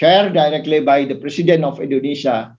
yang direkonkan secara langsung oleh presiden indonesia